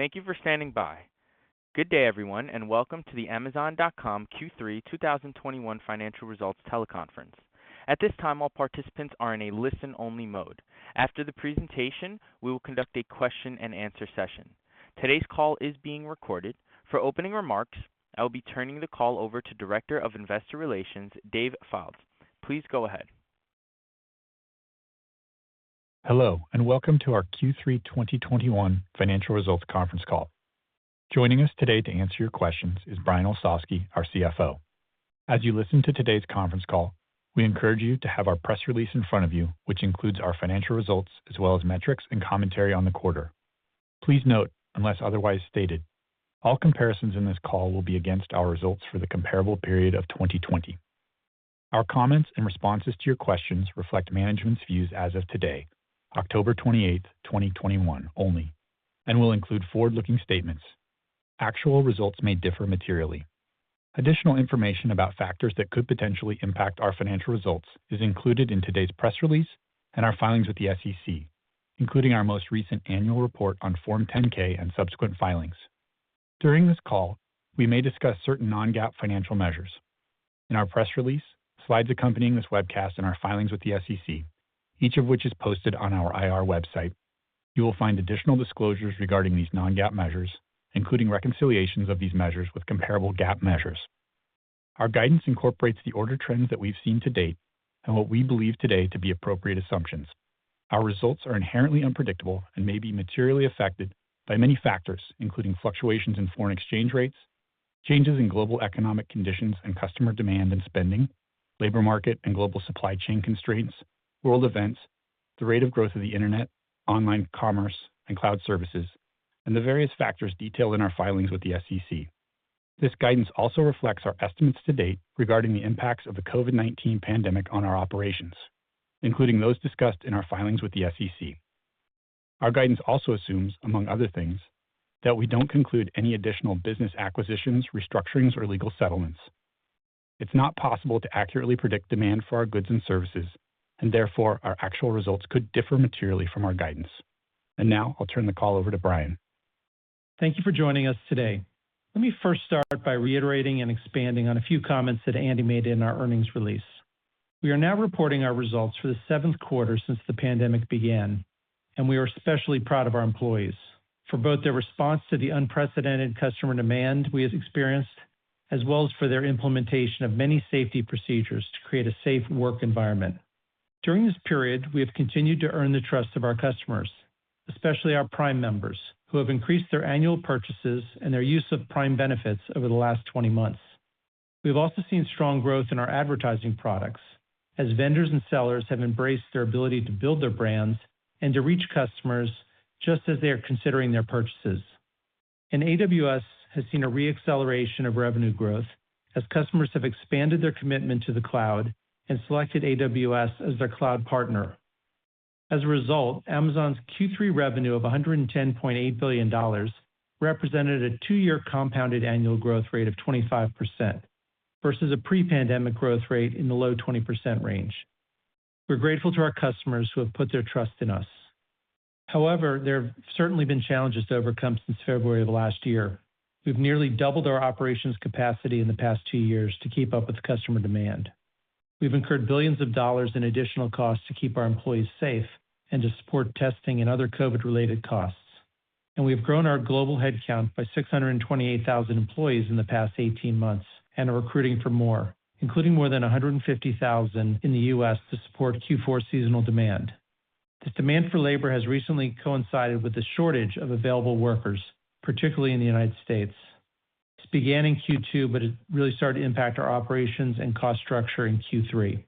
Thank you for standing by. Good day, everyone, and welcome to the Amazon.com Q3 2021 financial results teleconference. At this time, all participants are in a listen-only mode. After the presentation, we will conduct a question-and-answer session. Today's call is being recorded. For opening remarks, I will be turning the call over to Director of Investor Relations, Dave Fildes. Please go ahead. Hello, and welcome to our Q3 2021 financial results conference call. Joining us today to answer your questions is Brian Olsavsky, our CFO. As you listen to today's conference call, we encourage you to have our press release in front of you, which includes our financial results as well as metrics and commentary on the quarter. Please note, unless otherwise stated, all comparisons in this call will be against our results for the comparable period of 2020. Our comments and responses to your questions reflect management's views as of today, October 28, 2021 only, and will include forward-looking statements. Actual results may differ materially. Additional information about factors that could potentially impact our financial results is included in today's press release and our filings with the SEC, including our most recent annual report on Form 10-K and subsequent filings. During this call, we may discuss certain non-GAAP financial measures. In our press release, slides accompanying this webcast, and our filings with the SEC, each of which is posted on our IR website. You will find additional disclosures regarding these non-GAAP measures, including reconciliations of these measures with comparable GAAP measures. Our guidance incorporates the order trends that we've seen to date and what we believe today to be appropriate assumptions. Our results are inherently unpredictable and may be materially affected by many factors, including fluctuations in foreign exchange rates, changes in global economic conditions and customer demand and spending, labor market and global supply chain constraints, world events, the rate of growth of the Internet, online commerce and cloud services, and the various factors detailed in our filings with the SEC. This guidance also reflects our estimates to date regarding the impacts of the COVID-19 pandemic on our operations, including those discussed in our filings with the SEC. Our guidance also assumes, among other things, that we don't conclude any additional business acquisitions, restructurings, or legal settlements. It's not possible to accurately predict demand for our goods and services, and therefore, our actual results could differ materially from our guidance. Now I'll turn the call over to Brian. Thank you for joining us today. Let me first start by reiterating and expanding on a few comments that Andy made in our earnings release. We are now reporting our results for the Q7 since the pandemic began, and we are especially proud of our employees for both their response to the unprecedented customer demand we have experienced, as well as for their implementation of many safety procedures to create a safe work environment. During this period, we have continued to earn the trust of our customers, especially our Prime members, who have increased their annual purchases and their use of Prime benefits over the last 20 months. We've also seen strong growth in our advertising products as vendors and sellers have embraced their ability to build their brands and to reach customers just as they are considering their purchases. AWS has seen a re-acceleration of revenue growth as customers have expanded their commitment to the cloud and selected AWS as their cloud partner. As a result, Amazon's Q3 revenue of $110.8 billion represented a 2-year compounded annual growth rate of 25% versus a pre-pandemic growth rate in the low 20% range. We're grateful to our customers who have put their trust in us. However, there have certainly been challenges to overcome since February of last year. We've nearly doubled our operations capacity in the past two years to keep up with customer demand. We've incurred $ billions in additional costs to keep our employees safe and to support testing and other COVID-related costs. We have grown our global headcount by 628,000 employees in the past 18 months and are recruiting for more, including more than 150,000 in the U.S. to support Q4 seasonal demand. This demand for labor has recently coincided with the shortage of available workers, particularly in the United States. This began in Q2, but it really started to impact our operations and cost structure in Q3.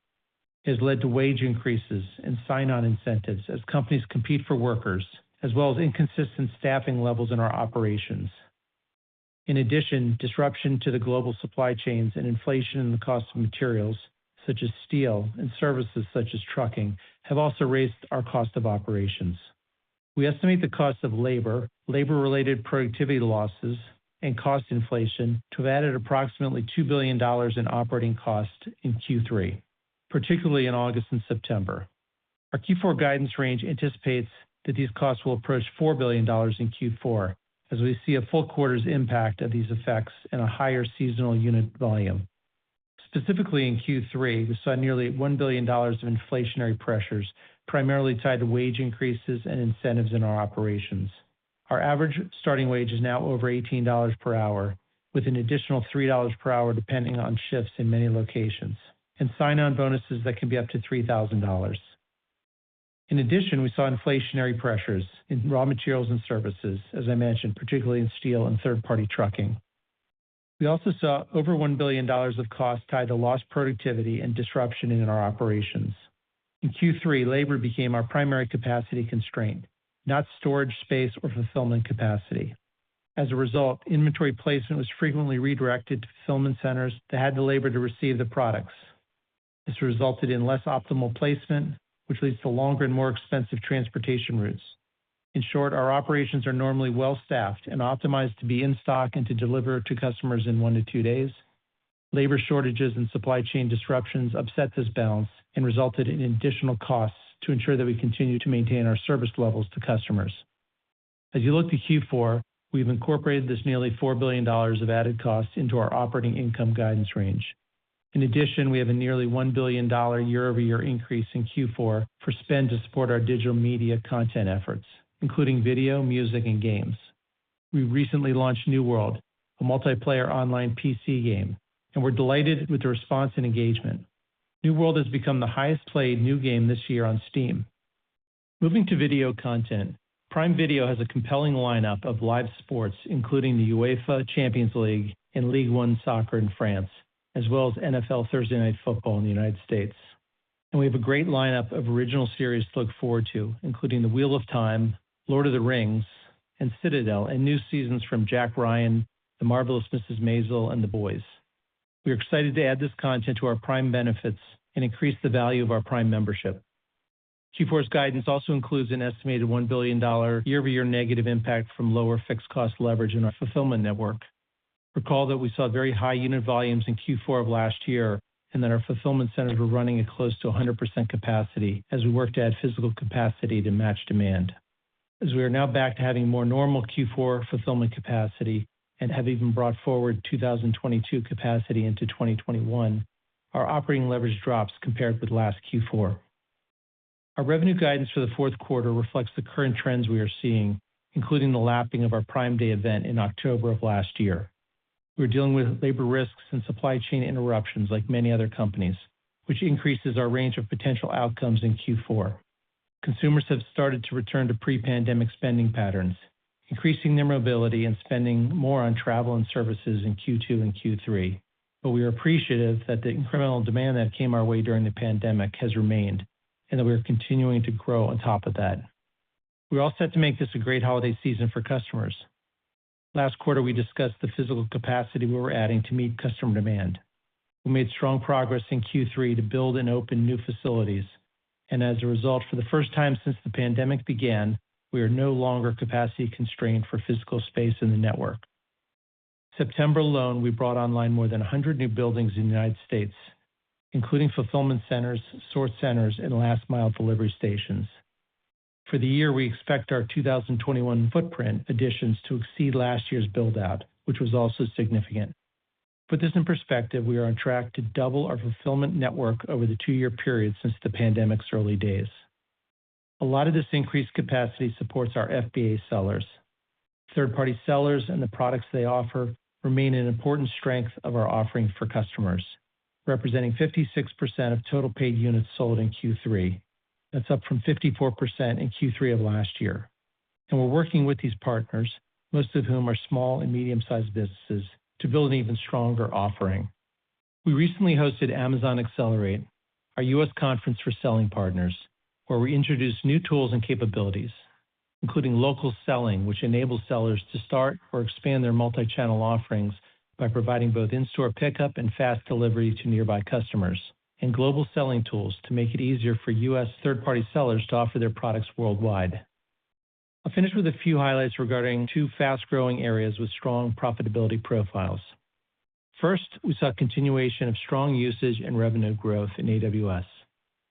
It has led to wage increases and sign-on incentives as companies compete for workers, as well as inconsistent staffing levels in our operations. In addition, disruption to the global supply chains and inflation in the cost of materials such as steel and services such as trucking have also raised our cost of operations. We estimate the cost of labor-related productivity losses, and cost inflation to have added approximately $2 billion in operating costs in Q3, particularly in August and September. Our Q4 guidance range anticipates that these costs will approach $4 billion in Q4 as we see a full quarter's impact of these effects in a higher seasonal unit volume. Specifically, in Q3, we saw nearly $1 billion of inflationary pressures, primarily tied to wage increases and incentives in our operations. Our average starting wage is now over $18 per hour, with an additional $3 per hour, depending on shifts in many locations, and sign-on bonuses that can be up to $3,000. In addition, we saw inflationary pressures in raw materials and services, as I mentioned, particularly in steel and third-party trucking. We also saw over $1 billion of costs tied to lost productivity and disruption in our operations. In Q3, labor became our primary capacity constraint, not storage space or fulfillment capacity. As a result, inventory placement was frequently redirected to fulfillment centers that had the labor to receive the products. This resulted in less optimal placement, which leads to longer and more expensive transportation routes. In short, our operations are normally well-staffed and optimized to be in stock and to deliver to customers in one to two days. Labor shortages and supply chain disruptions upset this balance and resulted in additional costs to ensure that we continue to maintain our service levels to customers. As you look to Q4, we've incorporated this nearly $4 billion of added cost into our operating income guidance range. In addition, we have a nearly $1 billion year-over-year increase in Q4 for spend to support our digital media content efforts, including video, music, and games. We recently launched New World, a multiplayer online PC game, and we're delighted with the response and engagement. New World has become the highest played new game this year on Steam. Moving to video content, Prime Video has a compelling lineup of live sports, including the UEFA Champions League and Ligue 1 soccer in France, as well as NFL Thursday Night Football in the United States. We have a great lineup of original series to look forward to, including The Wheel of Time, Lord of the Rings, and Citadel, and new seasons from Jack Ryan, The Marvelous Mrs. Maisel, and The Boys. We are excited to add this content to our Prime benefits and increase the value of our Prime membership. Q4's guidance also includes an estimated $1 billion year-over-year negative impact from lower fixed cost leverage in our fulfillment network. Recall that we saw very high unit volumes in Q4 of last year, and that our fulfillment centers were running at close to 100% capacity as we worked to add physical capacity to match demand. As we are now back to having more normal Q4 fulfillment capacity and have even brought forward 2022 capacity into 2021, our operating leverage drops compared with last Q4. Our revenue guidance for the Q4 reflects the current trends we are seeing, including the lapping of our Prime Day event in October of last year. We're dealing with labor risks and supply chain interruptions like many other companies, which increases our range of potential outcomes in Q4. Consumers have started to return to pre-pandemic spending patterns, increasing their mobility and spending more on travel and services in Q2 and Q3. We are appreciative that the incremental demand that came our way during the pandemic has remained, and that we are continuing to grow on top of that. We are all set to make this a great holiday season for customers. Last quarter, we discussed the physical capacity we were adding to meet customer demand. We made strong progress in Q3 to build and open new facilities. As a result, for the first time since the pandemic began, we are no longer capacity constrained for physical space in the network. September alone, we brought online more than 100 new buildings in the United States, including fulfillment centers, sort centers, and last mile delivery stations. For the year, we expect our 2021 footprint additions to exceed last year's build-out, which was also significant. To put this in perspective, we are on track to double our fulfillment network over the two-year period since the pandemic's early days. A lot of this increased capacity supports our FBA sellers. Third-party sellers and the products they offer remain an important strength of our offering for customers, representing 56% of total paid units sold in Q3. That's up from 54% in Q3 of last year. We're working with these partners, most of whom are small and medium-sized businesses, to build an even stronger offering. We recently hosted Amazon Accelerate, our U.S. conference for selling partners, where we introduced new tools and capabilities, including local selling, which enables sellers to start or expand their multi-channel offerings by providing both in-store pickup and fast delivery to nearby customers, and global selling tools to make it easier for U.S. third-party sellers to offer their products worldwide. I'll finish with a few highlights regarding two fast-growing areas with strong profitability profiles. First, we saw a continuation of strong usage and revenue growth in AWS,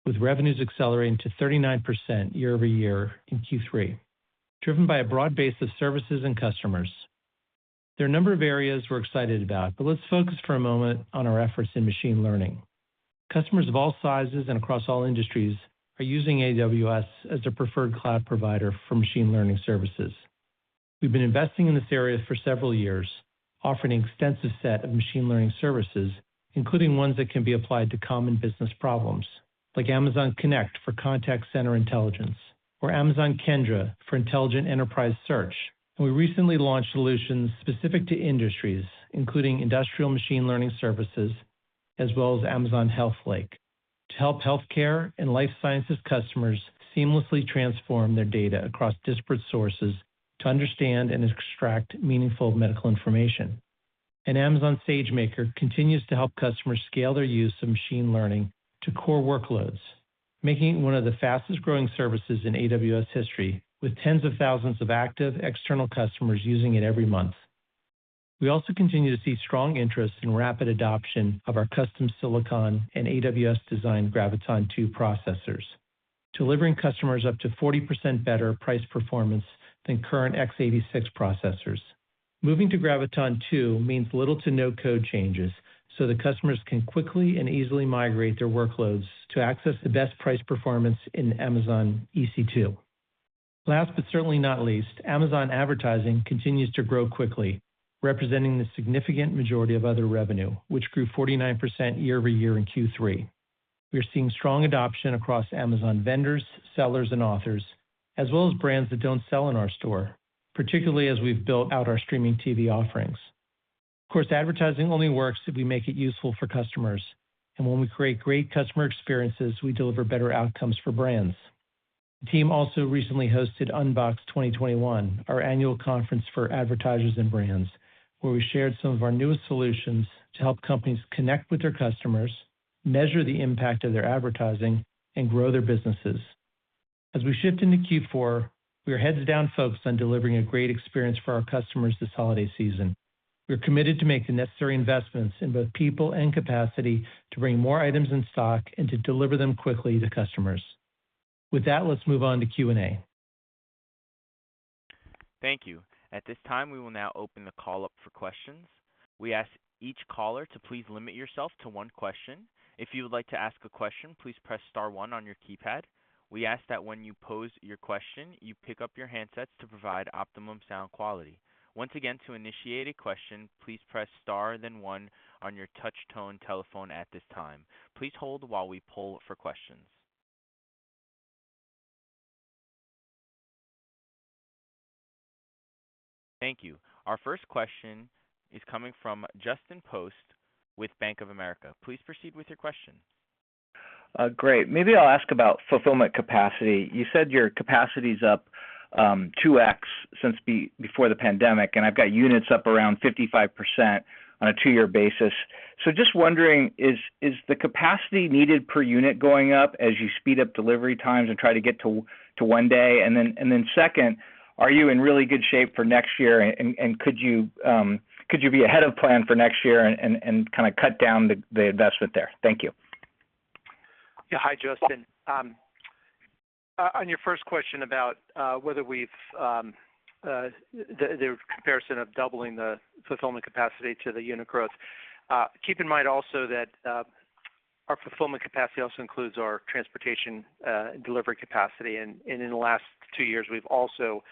with revenues accelerating to 39% year-over-year in Q3, driven by a broad base of services and customers. There are a number of areas we're excited about, but let's focus for a moment on our efforts in machine learning. Customers of all sizes and across all industries are using AWS as their preferred cloud provider for machine learning services. We've been investing in this area for several years, offering an extensive set of machine learning services, including ones that can be applied to common business problems, like Amazon Connect for contact center intelligence or Amazon Kendra for intelligent enterprise search. We recently launched solutions specific to industries, including industrial machine learning services, as well as Amazon HealthLake, to help healthcare and life sciences customers seamlessly transform their data across disparate sources to understand and extract meaningful medical information. Amazon SageMaker continues to help customers scale their use of machine learning to core workloads, making it one of the fastest-growing services in AWS history, with tens of thousands of active external customers using it every month. We also continue to see strong interest and rapid adoption of our custom silicon and AWS-designed Graviton2 processors, delivering customers up to 40% better price performance than current x86 processors. Moving to Graviton2 means little to no code changes, so the customers can quickly and easily migrate their workloads to access the best price performance in Amazon EC2. Last but certainly not least, Amazon Advertising continues to grow quickly, representing the significant majority of other revenue, which grew 49% year-over-year in Q3. We are seeing strong adoption across Amazon vendors, sellers, and authors, as well as brands that don't sell in our store, particularly as we've built out our streaming TV offerings. Of course, advertising only works if we make it useful for customers. When we create great customer experiences, we deliver better outcomes for brands. The team also recently hosted unBoxed 2021, our annual conference for advertisers and brands, where we shared some of our newest solutions to help companies connect with their customers, measure the impact of their advertising, and grow their businesses. As we shift into Q4, we are heads down focused on delivering a great experience for our customers this holiday season. We're committed to make the necessary investments in both people and capacity to bring more items in stock and to deliver them quickly to customers. With that, let's move on to Q&A. Thank you. At this time, we will now open the call up for questions. We ask each caller to please limit yourself to one question. If you would like to ask a question, please press star one on your keypad. We ask that when you pose your question, you pick up your handsets to provide optimum sound quality. Once again, to initiate a question, please press star then one on your touchtone telephone at this time. Please hold while we poll for questions. Thank you. Our first question is coming from Justin Post with Bank of America. Please proceed with your question. Great. Maybe I'll ask about fulfillment capacity. You said your capacity is up 2x since before the pandemic, and I've got units up around 55% on a two-year basis. Just wondering, is the capacity needed per unit going up as you speed up delivery times and try to get to one day? Second, are you in really good shape for next year and could you be ahead of plan for next year and kind of cut down the investment there? Thank you. Yeah. Hi, Justin. On your first question about whether we've the comparison of doubling the fulfillment capacity to the unit growth, keep in mind also that our fulfillment capacity also includes our transportation, delivery capacity. In the last two years, we've also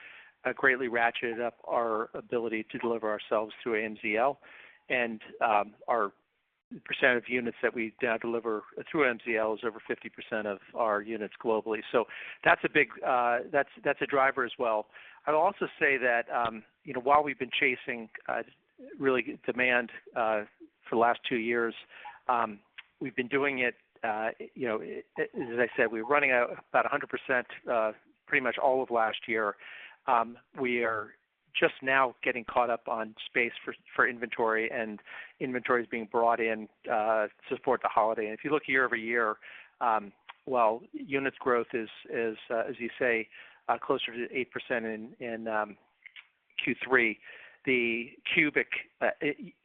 greatly ratcheted up our ability to deliver ourselves through AMZL. Our percent of units that we now deliver through AMZL is over 50% of our units globally. That's a big driver as well. I'll also say that, you know, while we've been chasing really demand for the last two years, we've been doing it, you know, as I said, we're running about 100% pretty much all of last year. We are just now getting caught up on space for inventory, and inventory is being brought in to support the holiday. If you look year-over-year, while units growth is, as you say, closer to 8% in Q3, the cubic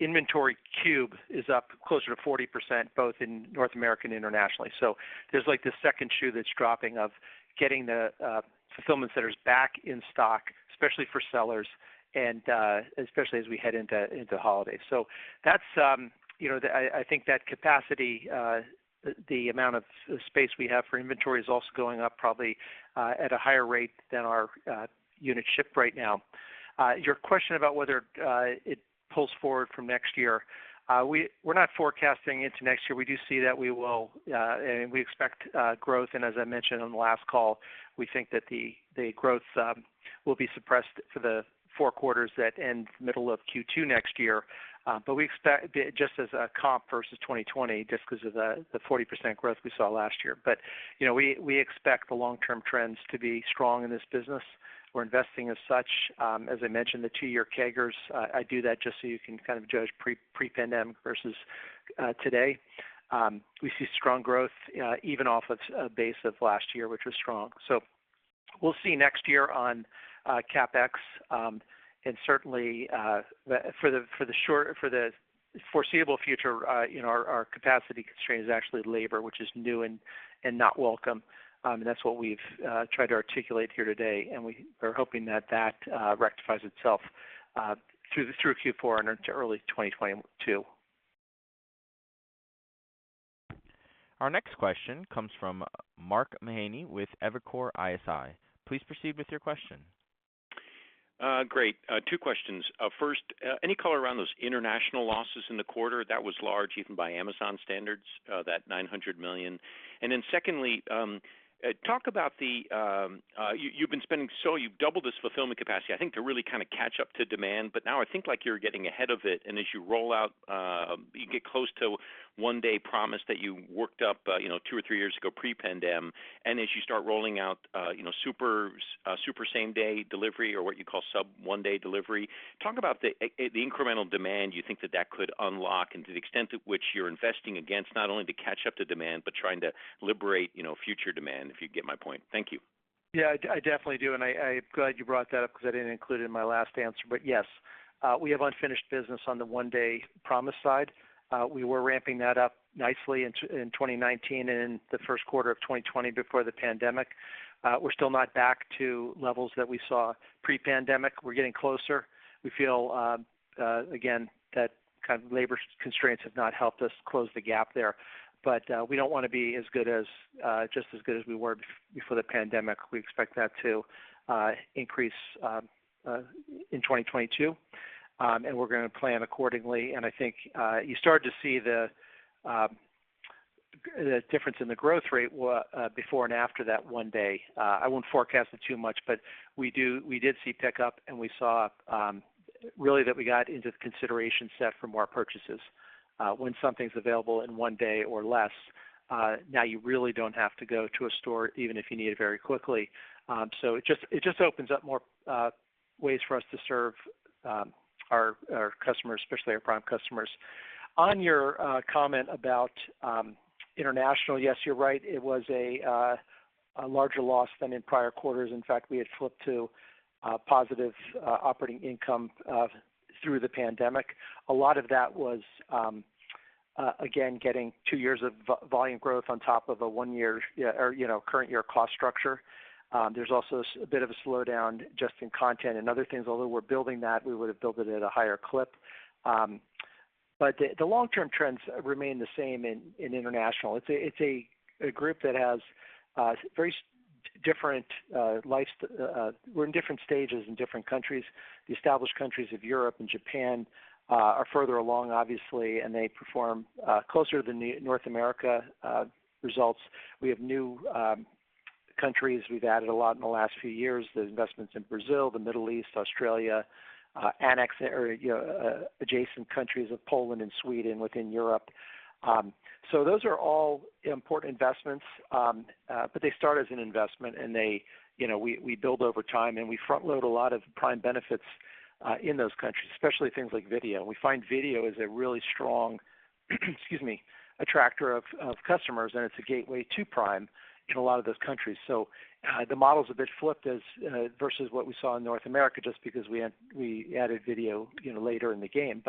inventory cube is up closer to 40%, both in North America and internationally. There's like the second shoe that's dropping of getting the fulfillment centers back in stock, especially for sellers and especially as we head into holidays. That's you know, I think that capacity, the amount of space we have for inventory is also going up probably at a higher rate than our unit ship right now. Your question about whether it pulls forward from next year, we're not forecasting into next year. We expect growth. As I mentioned on the last call, we think that the growth will be suppressed for the four quarters that end middle of Q2 next year. We expect just as a comp versus 2020, just because of the 40% growth we saw last year. You know, we expect the long-term trends to be strong in this business. We're investing as such. As I mentioned, the two-year CAGRs, I do that just so you can kind of judge pre-pandemic versus today. We see strong growth, even off of a base of last year, which was strong. We'll see next year on CapEx. Certainly, for the foreseeable future, you know, our capacity constraint is actually labor, which is new and not welcome. That's what we've tried to articulate here today, and we are hoping that rectifies itself through Q4 and into early 2022. Our next question comes from Mark Mahaney with Evercore ISI. Please proceed with your question. Great. Two questions. First, any color around those international losses in the quarter? That was large, even by Amazon standards, that $900 million. Then secondly, talk about you've been spending, so you've doubled this fulfillment capacity, I think, to really kind of catch up to demand. Now I think like you're getting ahead of it. As you roll out, you get close to one-day promise that you worked up, you know, two or three years ago pre-pandemic. As you start rolling out, you know, super same-day delivery or what you call sub one-day delivery, talk about the incremental demand you think that could unlock, and to the extent to which you're investing against not only to catch up to demand, but trying to liberate, you know, future demand, if you get my point. Thank you. Yeah, I definitely do. I’m glad you brought that up because I didn't include it in my last answer. Yes, we have unfinished business on the one-day promise side. We were ramping that up nicely in 2019 and the Q1 of 2020 before the pandemic. We're still not back to levels that we saw pre-pandemic. We're getting closer. We feel, again, that kind of labor constraints have not helped us close the gap there. We don't wanna be just as good as we were before the pandemic. We expect that to increase in 2022, and we're gonna plan accordingly. I think you start to see the difference in the growth rate before and after that one day. I won't forecast it too much, but we did see pickup, and we saw really that we got into the consideration set for more purchases when something's available in one day or less. Now you really don't have to go to a store even if you need it very quickly. So it just opens up more ways for us to serve our customers, especially our Prime customers. On your comment about international, yes, you're right. It was a larger loss than in prior quarters. In fact, we had flipped to positive operating income through the pandemic. A lot of that was again getting two years of volume growth on top of a one-year, you know, current-year cost structure. There's also a bit of a slowdown just in content and other things, although we're building that, we would have built it at a higher clip. The long-term trends remain the same in International. It's a group that has very different stages in different countries. The established countries of Europe and Japan are further along, obviously, and they perform closer to the North America results. We have new countries. We've added a lot in the last few years. The investments in Brazil, the Middle East, Australia, adjacent countries of Poland and Sweden within Europe. Those are all important investments, but they start as an investment, and they, you know, we build over time, and we front load a lot of Prime benefits in those countries, especially things like video. We find video is a really strong, excuse me, attractor of customers, and it's a gateway to Prime in a lot of those countries. The model is a bit flipped as versus what we saw in North America, just because we added video, you know, later in the game.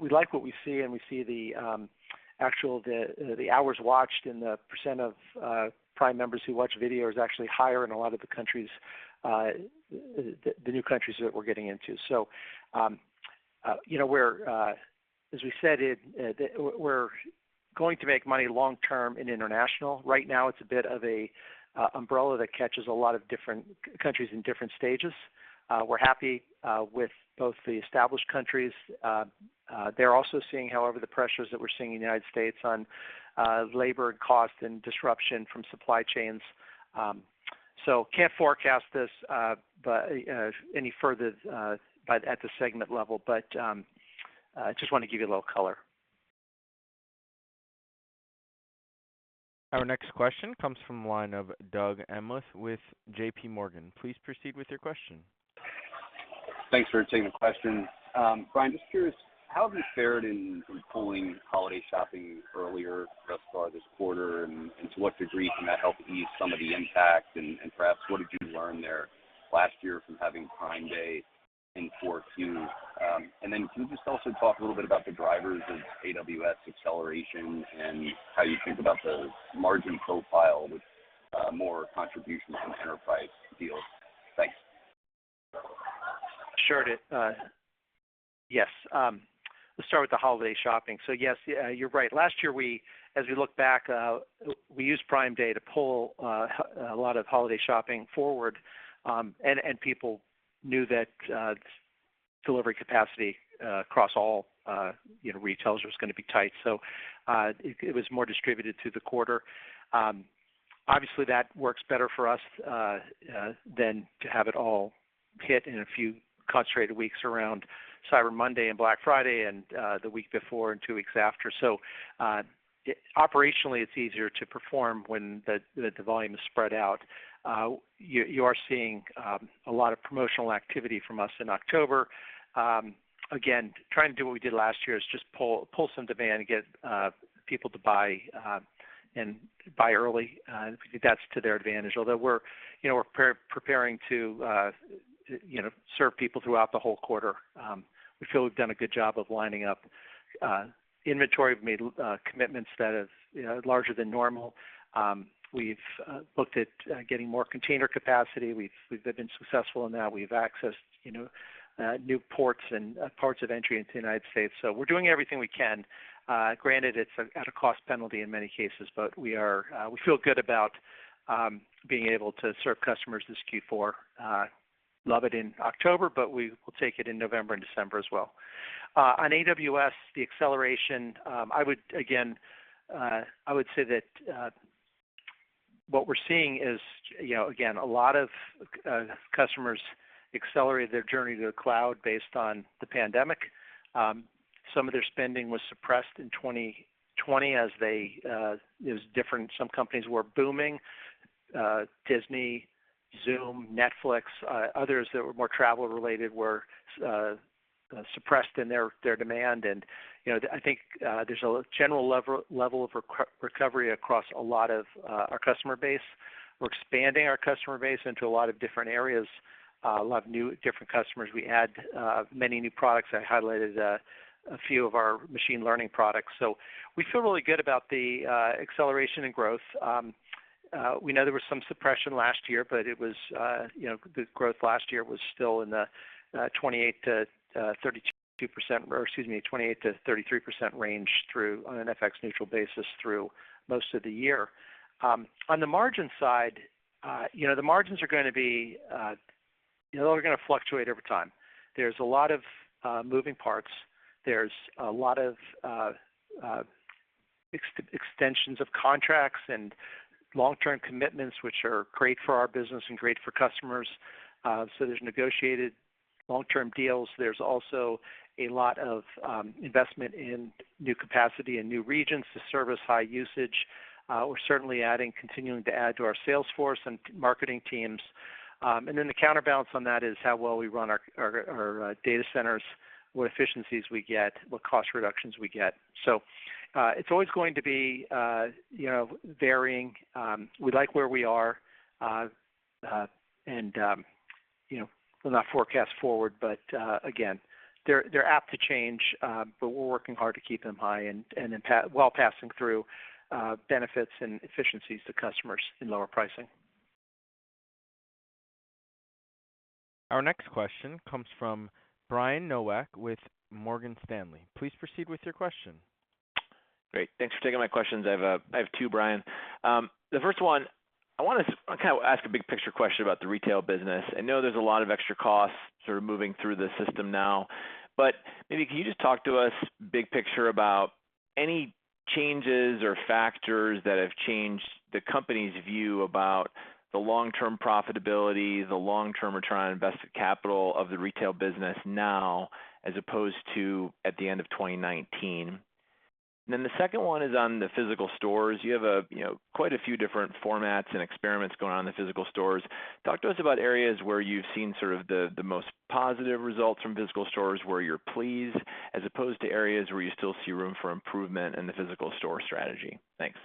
We like what we see, and we see the actual hours watched, and the percent of Prime members who watch video is actually higher in a lot of the countries, the new countries that we're getting into. You know, as we said, we're going to make money long term in international. Right now, it's a bit of a umbrella that catches a lot of different countries in different stages. We're happy with both the established countries. They're also seeing, however, the pressures that we're seeing in the United States on labor cost and disruption from supply chains. Can't forecast this any further, but at the segment level. Just wanna give you a little color. Our next question comes from the line of Doug Anmuth with J.P. Morgan. Please proceed with your question. Thanks for taking the question. Brian, just curious, how have you fared in pulling holiday shopping earlier thus far this quarter, and to what degree can that help ease some of the impact? Perhaps what did you learn there last year from having Prime Day in Q4 too? Can you just also talk a little bit about the drivers of AWS acceleration and how you think about the margin profile with more contributions from enterprise deals? Thanks. Sure did. Yes, let's start with the holiday shopping. Yes, you're right. Last year, we, as we look back, we used Prime Day to pull a lot of holiday shopping forward, and people knew that delivery capacity across all retailers was gonna be tight. It was more distributed through the quarter. Obviously, that works better for us than to have it all hit in a few concentrated weeks around Cyber Monday and Black Friday and the week before and two weeks after. Operationally, it's easier to perform when the volume is spread out. You are seeing a lot of promotional activity from us in October. Again, trying to do what we did last year is just pull some demand and get people to buy and buy early. We think that's to their advantage. Although we're, you know, we're preparing to, you know, serve people throughout the whole quarter. We feel we've done a good job of lining up inventory. We've made commitments that is, you know, larger than normal. We've looked at getting more container capacity. We've been successful in that. We've accessed, you know, new ports and ports of entry into the United States. We're doing everything we can. Granted, it's at a cost penalty in many cases, but we are, we feel good about being able to serve customers this Q4. Love it in October, but we will take it in November and December as well. On AWS, the acceleration, I would again say that what we're seeing is, you know, again, a lot of customers accelerate their journey to the cloud based on the pandemic. Some of their spending was suppressed in 2020 as they did. Some companies were booming, Disney, Zoom, Netflix, others that were more travel related were suppressed in their demand. You know, I think there's a general level of recovery across a lot of our customer base. We're expanding our customer base into a lot of different areas, a lot of new different customers. We add many new products. I highlighted a few of our machine learning products. We feel really good about the acceleration and growth. We know there was some suppression last year, but it was, you know, the growth last year was still in the 28%-33% range on an FX neutral basis through most of the year. On the margin side, you know, the margins are gonna be, you know, they're gonna fluctuate over time. There's a lot of moving parts. There's a lot of extensions of contracts and long-term commitments, which are great for our business and great for customers. There's negotiated long-term deals. There's also a lot of investment in new capacity and new regions to service high usage. We're certainly adding, continuing to add to our sales force and marketing teams. The counterbalance on that is how well we run our data centers, what efficiencies we get, what cost reductions we get. It's always going to be, you know, varying. We like where we are, and you know, we'll not forecast forward, but again, they're apt to change, but we're working hard to keep them high and while passing through benefits and efficiencies to customers in lower pricing. Our next question comes from Brian Nowak with Morgan Stanley. Please proceed with your question. Great. Thanks for taking my questions. I have two, Brian. The first one, I wanna sort of kind of ask a big-picture question about the retail business. I know there's a lot of extra costs sort of moving through the system now. But maybe can you just talk to us big picture about any changes or factors that have changed the company's view about the long-term profitability, the long term return on invested capital of the retail business now, as opposed to at the end of 2019? Then the second one is on the physical stores. You have, you know, quite a few different formats and experiments going on in the physical stores. Talk to us about areas where you've seen sort of the most positive results from physical stores where you're pleased, as opposed to areas where you still see room for improvement in the physical store strategy? Thanks.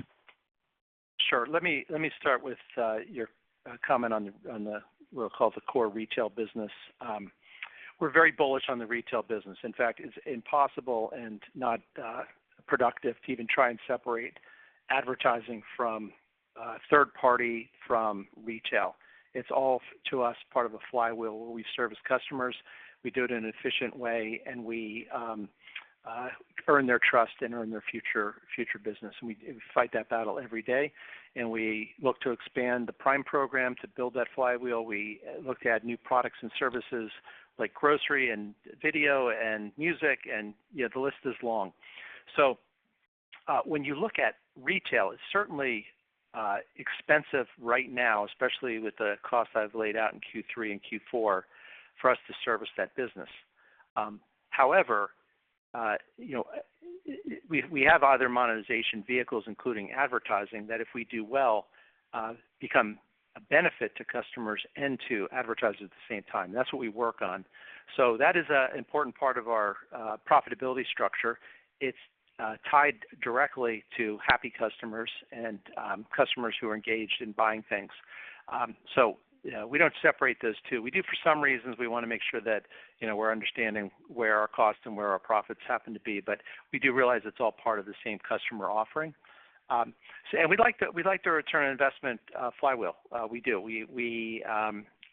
Sure. Let me start with your comment on the we'll call it the core retail business. We're very bullish on the retail business. In fact, it's impossible and not productive to even try and separate advertising from third party from retail. It's all to us part of a flywheel where we service customers, we do it in an efficient way, and we earn their trust and earn their future business, and we fight that battle every day. We look to expand the Prime program to build that flywheel. We look to add new products and services like grocery and video and music and, you know, the list is long. When you look at retail, it's certainly expensive right now, especially with the costs I've laid out in Q3 and Q4, for us to service that business. However, you know, we have other monetization vehicles, including advertising, that if we do well, become a benefit to customers and to advertisers at the same time. That's what we work on. That is a important part of our profitability structure. It's tied directly to happy customers and customers who are engaged in buying things. You know, we don't separate those two. We do for some reasons. We wanna make sure that, you know, we're understanding where our costs and where our profits happen to be, but we do realize it's all part of the same customer offering. We like the return on investment flywheel. We do.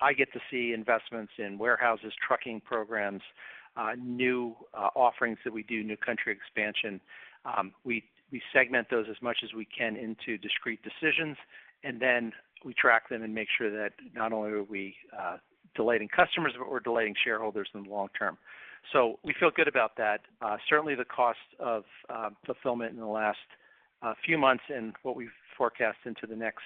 I get to see investments in warehouses, trucking programs, new offerings that we do, new country expansion. We segment those as much as we can into discrete decisions, and then we track them and make sure that not only are we delighting customers, but we're delighting shareholders in the long term. We feel good about that. Certainly the cost of fulfillment in the last few months and what we've forecast into the next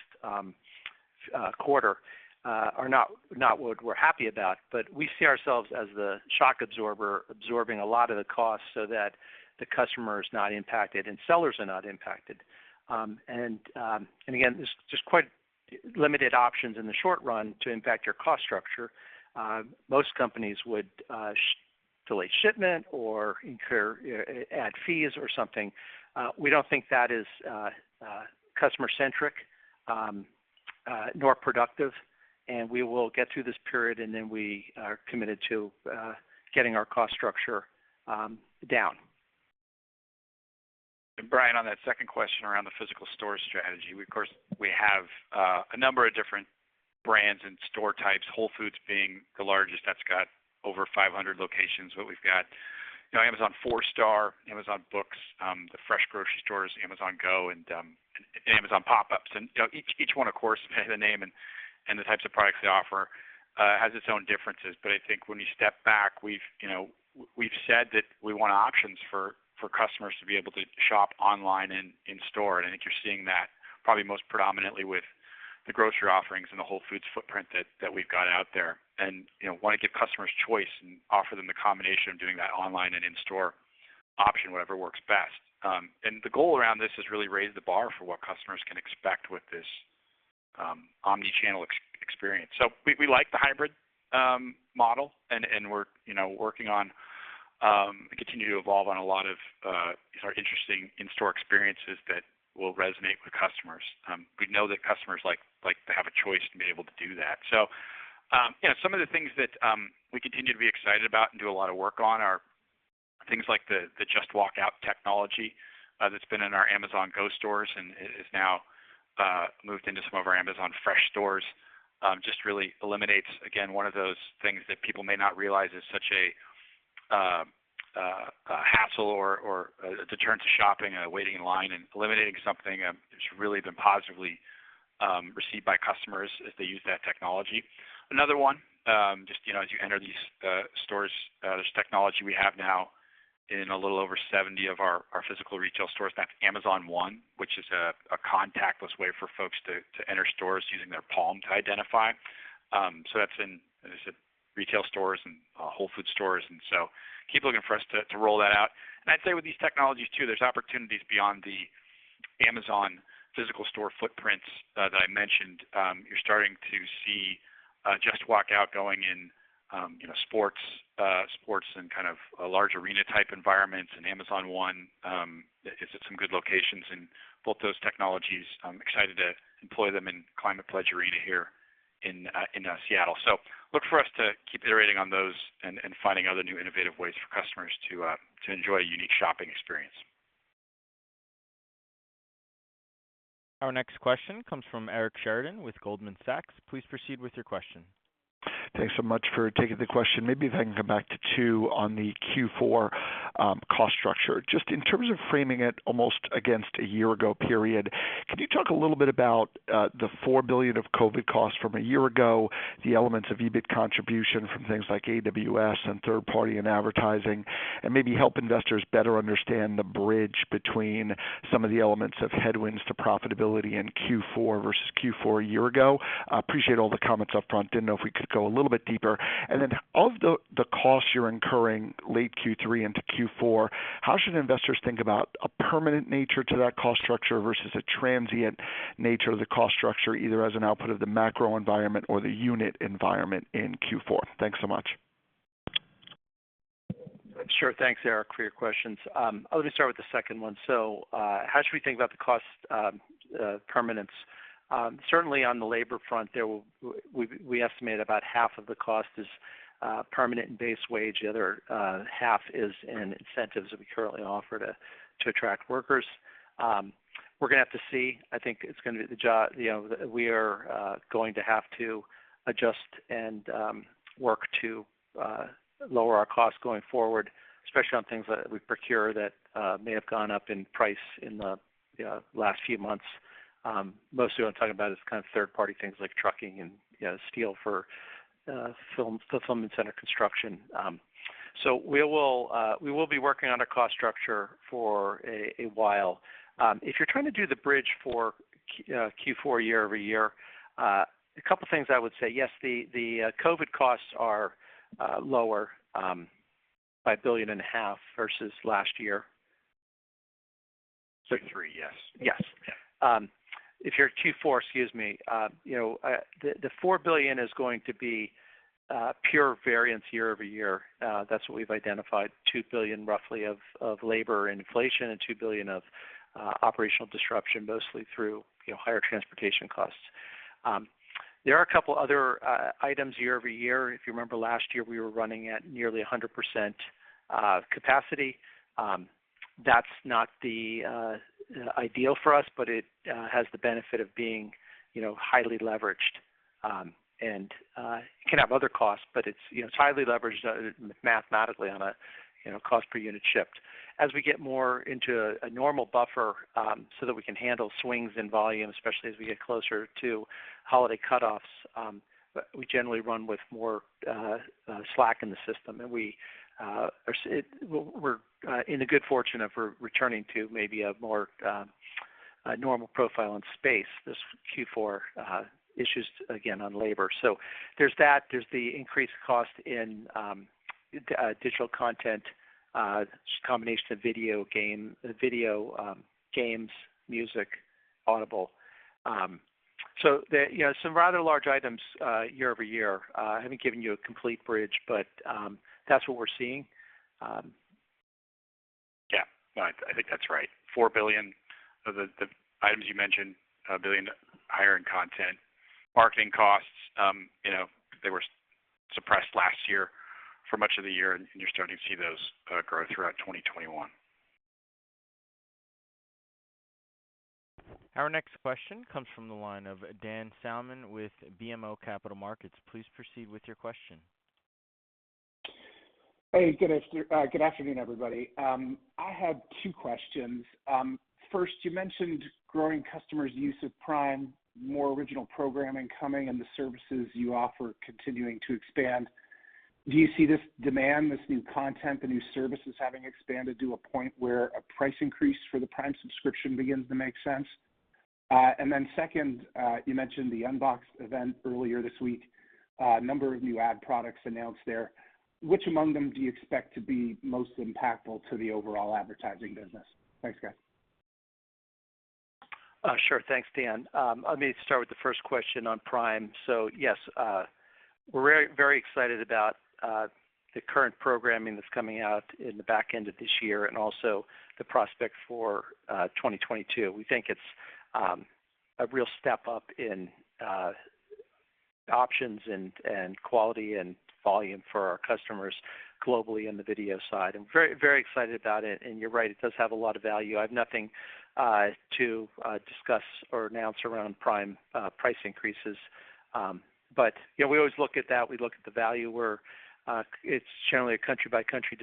quarter are not what we're happy about. We see ourselves as the shock absorber, absorbing a lot of the cost so that the customer is not impacted and sellers are not impacted. Again, there's just quite limited options in the short run to impact your cost structure. Most companies would delay shipment or incur additional fees or something. We don't think that is customer-centric nor productive, and we will get through this period, and then we are committed to getting our cost structure down. Brian, on that second question around the physical store strategy, we of course have a number of different brands and store types, Whole Foods being the largest that's got over 500 locations. We've got, you know, Amazon 4-star, Amazon Books, the Amazon Fresh grocery stores, Amazon Go, and Amazon Pop Ups. You know, each one of course by the name and the types of products they offer has its own differences. I think when you step back, you know, we've said that we want options for customers to be able to shop online and in store. I think you're seeing that probably most predominantly with the grocery offerings and the Whole Foods footprint that we've got out there. You know, we want to give customers choice and offer them the combination of doing that online and in-store option, whatever works best. The goal around this is really raise the bar for what customers can expect with this, omni-channel experience. We like the hybrid model, and we're, you know, working on and continue to evolve on a lot of these interesting in-store experiences that will resonate with customers. We know that customers like to have a choice to be able to do that. You know, some of the things that we continue to be excited about and do a lot of work on are things like the Just Walk Out technology, that's been in our Amazon Go stores and is now moved into some of our Amazon Fresh stores. Just really eliminates, again, one of those things that people may not realize is such a hassle or a deterrent to shopping, waiting in line and eliminating something that's really been positively received by customers as they use that technology. Another one, just, you know, as you enter these stores, there's technology we have now in a little over 70 of our physical retail stores, that's Amazon One, which is a contactless way for folks to enter stores using their palm to identify. That's in, as I said, retail stores and Whole Foods stores, and keep looking for us to roll that out. I'd say with these technologies too, there's opportunities beyond the Amazon physical store footprints, that I mentioned, you're starting to see, Just Walk Out going in, you know, sports and kind of a large arena type environments. Amazon One is at some good locations. Both those technologies, I'm excited to employ them in Climate Pledge Arena here in Seattle. Look for us to keep iterating on those and finding other new innovative ways for customers to enjoy a unique shopping experience. Our next question comes from Eric Sheridan with Goldman Sachs. Please proceed with your question. Thanks so much for taking the question. Maybe if I can come back to you on the Q4, cost structure. Just in terms of framing it almost against a year ago period, could you talk a little bit about the $4 billion of COVID costs from a year ago, the elements of EBIT contribution from things like AWS and third party and advertising, and maybe help investors better understand the bridge between some of the elements of headwinds to profitability in Q4 versus Q4 a year ago? I appreciate all the comments up front. Didn't know if we could go a little bit deeper. Of the costs you're incurring late Q3 into Q4, how should investors think about a permanent nature to that cost structure versus a transient nature of the cost structure, either as an output of the macro environment or the unit environment in Q4? Thanks so much. Sure. Thanks, Eric, for your questions. Let me start with the second one. How should we think about the cost permanence? Certainly on the labor front there we estimate about half of the cost is permanent and base wage. The other half is in incentives that we currently offer to attract workers. We're gonna have to see. I think it's gonna be you know, we are going to have to adjust and work to lower our costs going forward, especially on things that we procure that may have gone up in price in the last few months. Mostly what I'm talking about is kind of third-party things like trucking and, you know, steel for fulfillment center construction. We will be working on a cost structure for a while. If you're trying to do the bridge for Q4 year-over-year, a couple things I would say. Yes, the COVID costs are lower by $1.5 billion versus last year. 63, yes. Yes. If you're at Q4, you know, the $4 billion is going to be pure variance year-over-year. That's what we've identified, roughly $2 billion of labor inflation and $2 billion of operational disruption, mostly through, you know, higher transportation costs. There are a couple other items year-over-year. If you remember last year, we were running at nearly 100% capacity. That's not the ideal for us, but it has the benefit of being, you know, highly leveraged. It can have other costs, but it's, you know, highly leveraged mathematically on a, you know, cost per unit shipped. As we get more into a normal buffer, so that we can handle swings in volume, especially as we get closer to holiday cutoffs, we generally run with more slack in the system. We're in the good fortune of returning to maybe a more normal profile and space this Q4, issues again on labor. There's that. There's the increased cost in digital content, just combination of video games, music, Audible. The, you know, some rather large items year-over-year. I haven't given you a complete bridge, but that's what we're seeing. Yeah. No, I think that's right. $4 billion of the items you mentioned, $1 billion hiring, content, marketing costs, you know, they were suppressed last year for much of the year, and you're starting to see those grow throughout 2021. Our next question comes from the line of Dan Salmon with BMO Capital Markets. Please proceed with your question. Hey, good afternoon, everybody. I had two questions. First, you mentioned growing customers use of Prime, more original programming coming and the services you offer continuing to expand. Do you see this demand, this new content, the new services having expanded to a point where a price increase for the Prime subscription begins to make sense? Second, you mentioned the unBoxed event earlier this week, a number of new ad products announced there. Which among them do you expect to be most impactful to the overall advertising business? Thanks, guys. Sure. Thanks, Dan. Let me start with the first question on Prime. Yes, we're very excited about the current programming that's coming out in the back end of this year and also the prospect for 2022. We think it's a real step up in options and quality and volume for our customers globally in the video side, and very excited about it. You're right, it does have a lot of value. I have nothing to discuss or announce around Prime price increases. But you know, we always look at that. We look at the value where it's generally a country-by-country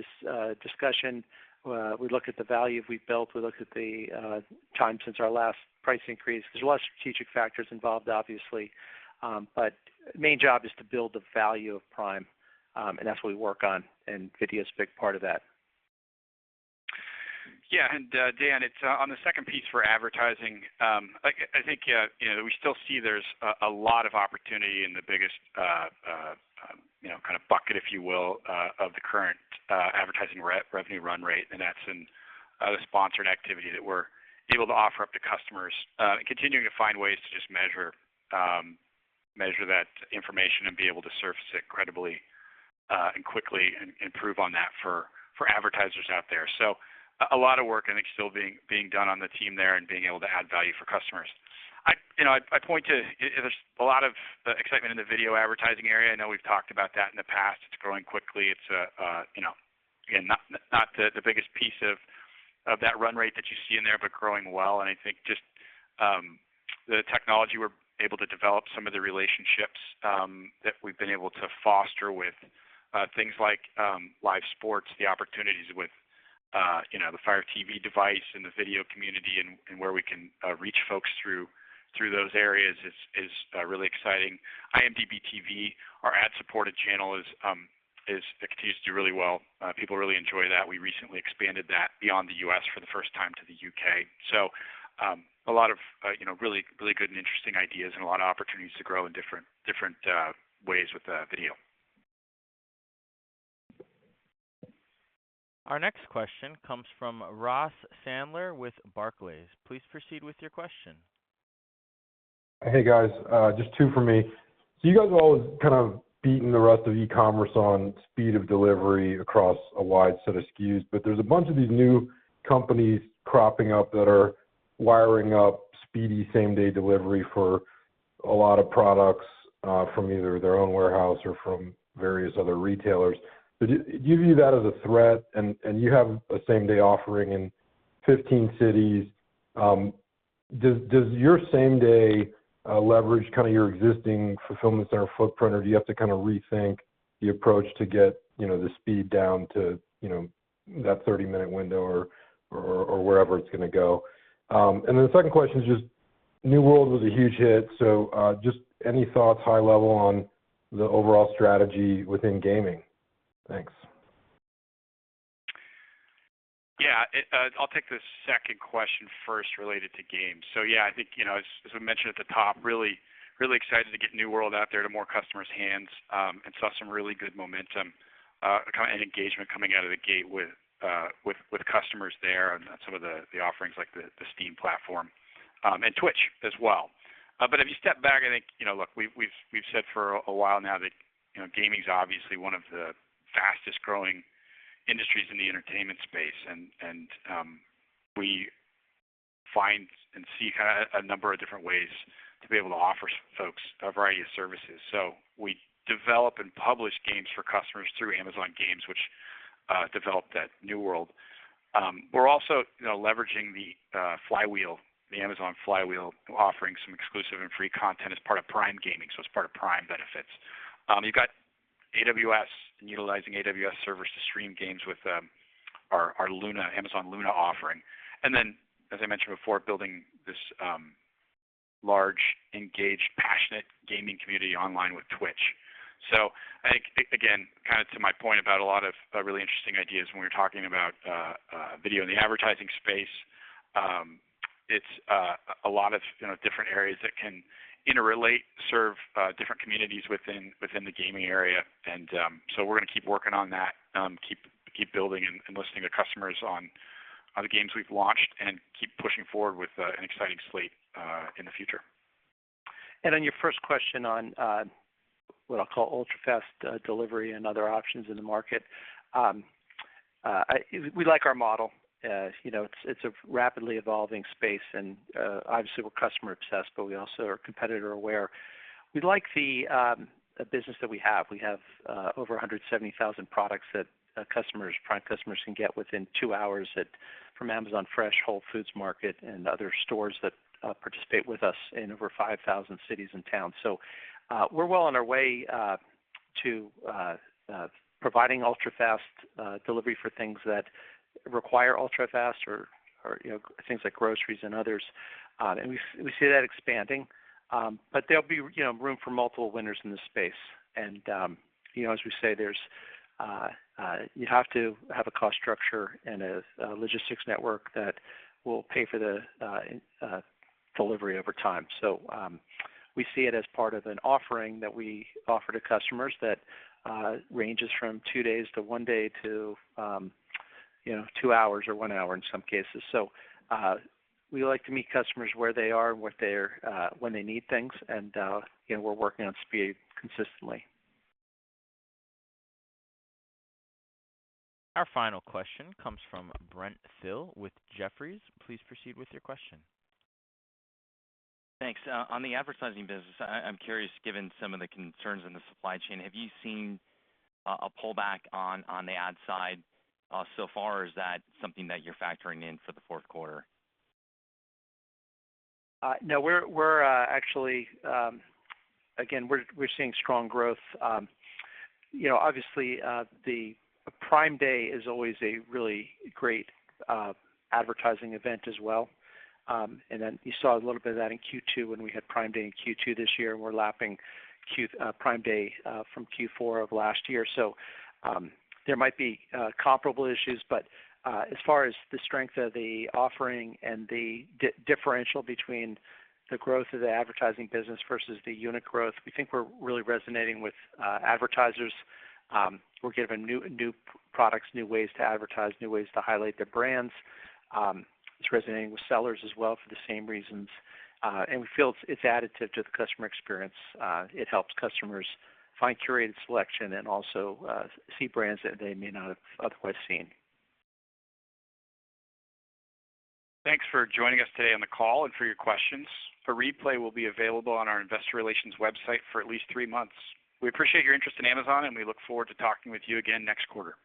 discussion. We look at the value we've built. We look at the time since our last price increase. There's a lot of strategic factors involved, obviously. Main job is to build the value of Prime, and that's what we work on, and video's a big part of that. Dan, it's on the second piece for advertising. I think you know, we still see there's a lot of opportunity in the biggest you know, kind of bucket, if you will, of the current advertising revenue run rate, and that's in other sponsored activity that we're able to offer up to customers, and continuing to find ways to just measure that information and be able to surface it credibly and quickly and improve on that for advertisers out there. A lot of work I think still being done on the team there and being able to add value for customers. You know, I point to. There's a lot of excitement in the video advertising area. I know we've talked about that in the past. It's growing quickly. It's you know, again, not the biggest piece of that run rate that you see in there, but growing well. I think just the technology we're able to develop, some of the relationships that we've been able to foster with things like live sports, the opportunities with you know, the Fire TV device and the video community and where we can reach folks through those areas is really exciting. IMDb TV, our ad-supported channel continues to do really well. People really enjoy that. We recently expanded that beyond the U.S. for the first time to the U.K. A lot of you know, really good and interesting ideas and a lot of opportunities to grow in different ways with video. Our next question comes from Ross Sandler with Barclays. Please proceed with your question. Hey, guys. Just two for me. You guys have always kind of beaten the rest of e-commerce on speed of delivery across a wide set of SKUs, but there's a bunch of these new companies cropping up that are wiring up speedy same-day delivery for a lot of products from either their own warehouse or from various other retailers. Do you view that as a threat? You have a same-day offering in 15 cities. Does your same-day leverage kind of your existing fulfillment center footprint, or do you have to kind of rethink the approach to get the speed down to that 30-minute window or wherever it's gonna go? The second question is just, New World was a huge hit, so just any thoughts, high level on the overall strategy within gaming? Thanks. Yeah. I'll take the second question first related to games. Yeah, I think, you know, as we mentioned at the top, really excited to get New World out there to more customers' hands, and saw some really good momentum, kind of, and engagement coming out of the gate with customers there on some of the offerings like the Steam platform, and Twitch as well. But if you step back, I think, you know, look, we've said for a while now that, you know, gaming's obviously one of the fastest-growing industries in the entertainment space. We find and see kind of a number of different ways to be able to offer folks a variety of services. We develop and publish games for customers through Amazon Games, which developed that New World. We're also, you know, leveraging the Flywheel, the Amazon Flywheel, offering some exclusive and free content as part of Prime Gaming, so it's part of Prime benefits. You've got AWS, utilizing AWS servers to stream games with our Luna, Amazon Luna offering. Then as I mentioned before, building this large, engaged, passionate gaming community online with Twitch. I think, again, kind of to my point about a lot of really interesting ideas when we were talking about video in the advertising space, it's a lot of, you know, different areas that can interrelate, serve different communities within the gaming area. We're gonna keep working on that, keep building and listening to customers on the games we've launched, and keep pushing forward with an exciting slate in the future. On your first question on what I'll call ultra-fast delivery and other options in the market, we like our model. You know, it's a rapidly evolving space, and obviously we're customer-obsessed, but we also are competitor-aware. We like the business that we have. We have over 170,000 products that customers, Prime customers can get within two hours from Amazon Fresh, Whole Foods Market, and other stores that participate with us in over 5,000 cities and towns. We're well on our way to providing ultra-fast delivery for things that require ultra-fast or you know, things like groceries and others. We see that expanding. There'll be you know, room for multiple winners in this space. You know, as we say, you have to have a cost structure and a logistics network that will pay for the delivery over time. We see it as part of an offering that we offer to customers that ranges from two days to one day to, you know, two hours or one hour in some cases. We like to meet customers where they are when they need things and, you know, we're working on speed consistently. Our final question comes from Brent Thill with Jefferies. Please proceed with your question. Thanks. On the advertising business, I'm curious, given some of the concerns in the supply chain, have you seen a pullback on the ad side so far, or is that something that you're factoring in for the Q4? No. We're actually, again, seeing strong growth. You know, obviously, the Prime Day is always a really great advertising event as well. Then you saw a little bit of that in Q2 when we had Prime Day in Q2 this year, and we're lapping Q Prime Day from Q4 of last year. There might be comparable issues, but as far as the strength of the offering and the differential between the growth of the advertising business versus the unit growth, we think we're really resonating with advertisers. We're giving new products, new ways to advertise, new ways to highlight their brands. It's resonating with sellers as well for the same reasons. We feel it's additive to the customer experience. It helps customers find curated selection and also see brands that they may not have otherwise seen. Thanks for joining us today on the call and for your questions. The replay will be available on our investor relations website for at least three months. We appreciate your interest in Amazon, and we look forward to talking with you again next quarter.